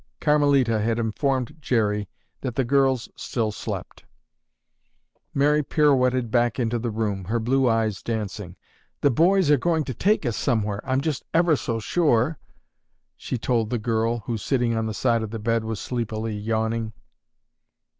Carmelita had informed Jerry that the girls still slept. Mary pirouetted back into the room, her blue eyes dancing. "The boys are going to take us somewhere, I'm just ever so sure," she told the girl, who, sitting on the side of the bed, was sleepily yawning.